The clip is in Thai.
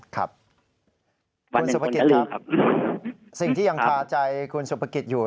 ครับคุณสุภกิจครับสิ่งที่ยังคาใจคุณสุภกิจอยู่